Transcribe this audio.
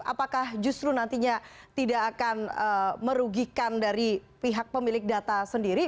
apakah justru nantinya tidak akan merugikan dari pihak pemilik data sendiri